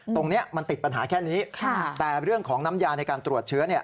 ตรงนี้มันติดปัญหาแค่นี้แต่เรื่องของน้ำยาในการตรวจเชื้อ